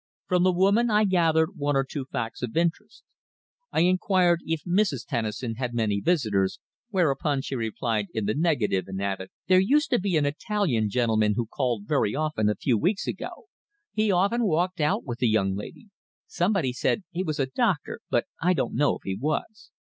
From the woman I gathered one or two facts of interest. I inquired if Mrs. Tennison had many visitors, whereupon she replied in the negative, and added: "There used to be an Italian gentleman who called very often a few weeks ago. He often walked out with the young lady. Somebody said he was a doctor, but I don't know if he was."